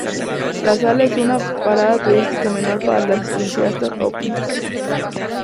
La sala es una parada turística menor para los entusiastas ovni.